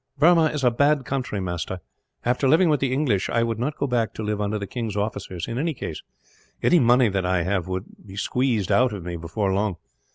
"Burma is a bad country, master. After living with the English, I would not go back to live under the king's officers, in any case. Any money that I had would be squeezed out of me, before long.